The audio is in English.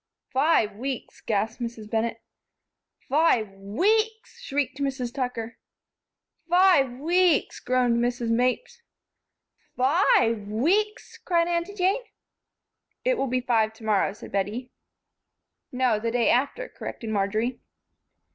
"Five weeks!" gasped Mrs. Bennett. "Five weeks!" shrieked Mrs. Tucker. "Five weeks!" groaned Mrs. Mapes. "Fi ve weeks!" cried Aunty Jane. "It'll be five to morrow," said Bettie. "No, the day after," corrected Marjory.